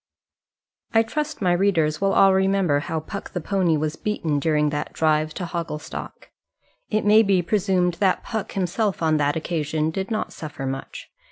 I trust my readers will all remember how Puck the pony was beaten during that drive to Hogglestock. It may be presumed that Puck himself on that occasion did not suffer much.